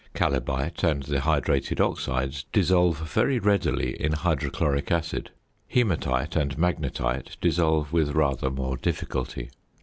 Chalybite and the hydrated oxides dissolve very readily in hydrochloric acid; hæmatite and magnetite dissolve with rather more difficulty.